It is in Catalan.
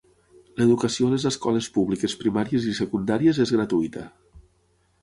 L'educació a les escoles públiques primàries i secundàries és gratuïta.